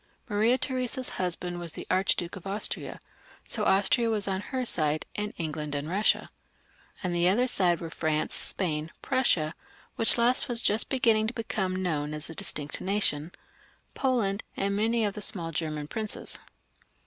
Maria Theresa's husband was the Archduke of Austria, so Austria was on her side, and England and Sussia. On the other side were France, Spain, Prussia — which waa just beginning to become known aa a distinct nation — Poland, and many of the small German princes.